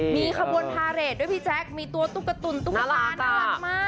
มีขบวนพาเรทด้วยพี่แจ๊คมีตัวตุ๊กตุ๋นตุ๊กตาน่ารักมาก